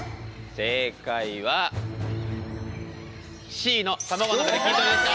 正解はＣの卵の中で筋トレでした。